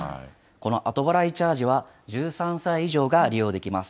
この後払いチャージは、１３歳以上が利用できます。